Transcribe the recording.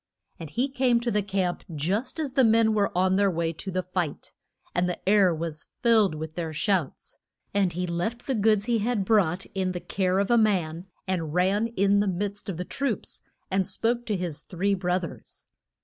And he came to the camp just as the men were on their way to the fight, and the air was filled with their shouts. And he left the goods he had brought in the care of a man, and ran in the midst of the troops, and spoke to his three broth ers.